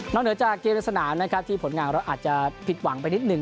เหนือจากเกมในสนามนะครับที่ผลงานเราอาจจะผิดหวังไปนิดหนึ่ง